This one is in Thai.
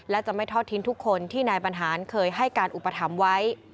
และจะไม่ทอดทิ้งทุกคนที่นายบรรหารเคยให้การอุปถัมภ์ไว้